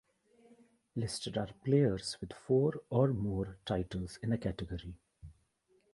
Listed are players with four or more titles in a category.